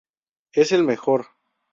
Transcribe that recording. Es el mejor.